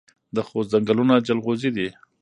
د خوست ځنګلونه جلغوزي دي